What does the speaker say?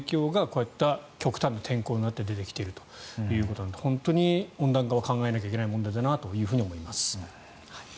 温暖化の影響がこういった極端な天候になって出てきているということなので本当に温暖化は考えないといけない問題だなと思います。